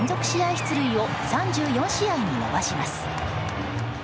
出塁を３４試合に伸ばします。